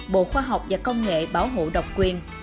bộ khoa học và công nghệ bảo hộ độc quyền